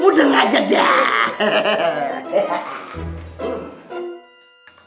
mudeng aja dah